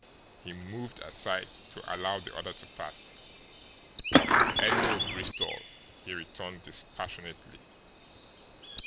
He moved aside to allow the other to pass. "'Ello, Bristol," he returned dispassionately.